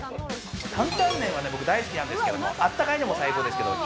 担々麺は僕、大好きなんですけれども、温かいのもいいですけれども。